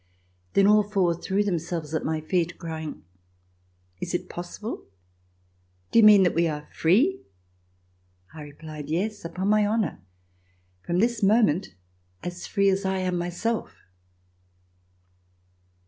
Then all four threw themselves at my feet crying: "Is it possible? Do you mean that we are free.^" I replied: "Yes, upon my honor, from this moment, as free as I am myself."